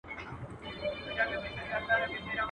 نه یې وېره وه له خدایه له دې کاره.